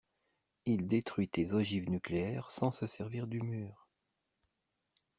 Il détruit tes ogives nucléaires sans se servir du mur.